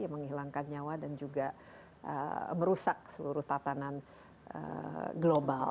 menghilangkan nyawa dan juga merusak seluruh tatanan global